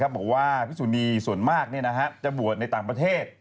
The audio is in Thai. บอกว่าพิสุนีส่วนมากจะบวชในต่างประเทศ